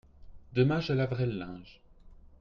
demain je laverai le linge.